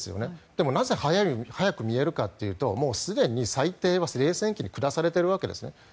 でもなぜ早く見えるかというともうすでに裁定は冷戦期に下されているわけなんです。